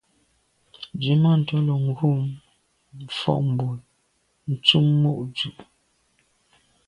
Nzwimàntô lo ghom fotmbwe ntùm mo’ dù’.